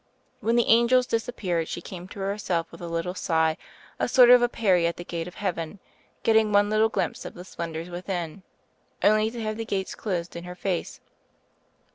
When the angels disappeared she came to herself with a little sigh, a sort of a Peri at the gate of heaven, getting one little glimpse of the splen dors within, only to have the gates closed in her face.